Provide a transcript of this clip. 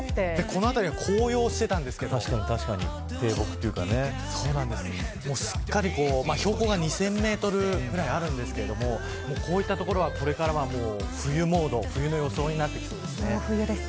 この辺りは紅葉してたんですけどすっかり標高が２０００メートルぐらいあるんですけどこういった所はこれからは冬モード冬の装いになってきそうですね。